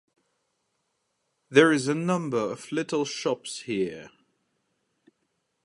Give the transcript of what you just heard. There is a number of little shops here.